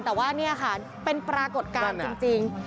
แต่ว่านี่ค่ะเป็นปรากฏการณ์จริง